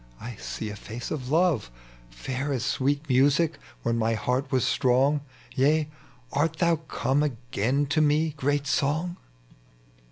I see a face of love, Fair as sweet music when my heart was strong : Tea — art thou come again to me, great Song?"